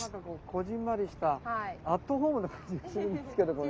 こぢんまりしたアットホームな感じがするんですけれども。